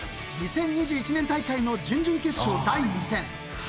［２０２１年大会の準々決勝第２戦］